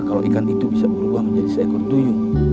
kalau ikan itu bisa berubah menjadi seekor duyung